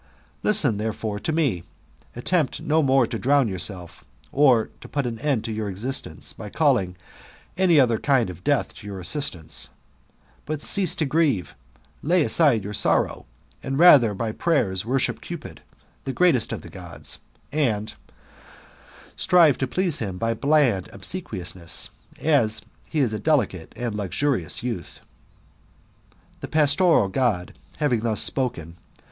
Listen, therefore, to me ; attempt no more to drown yourself, or to put an end to your existence by calling any other kind of death to your assistance ; but cease to grieve, lay aside your sorrow, and rather by prayers worship Cupid, the greatest;[of the Gods, and strive to please him by bland obsequiousness, as he is a delicate and luxurious youth." The pastoral God having thus spoken.